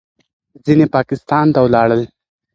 ځینې پاکستان ته ولاړل.